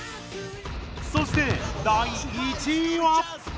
そして、第１位は。